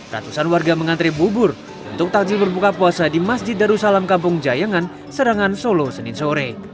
ratusan warga mengantre bubur untuk takjil berbuka puasa di masjid darussalam kampung jayangan serangan solo senin sore